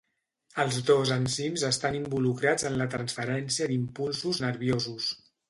Els dos enzims estan involucrats en la transferència d'impulsos nerviosos.